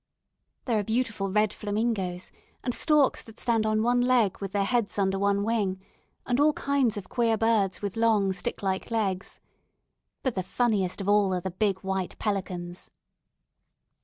There are beautiful red flamingos, and storks that stand on one leg with their heads under one wing, and all kinds of queer birds with long, stick like legs. But the funniest of all are the big white pelicans.